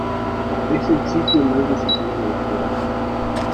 Es el sitio más visitado de la ciudad.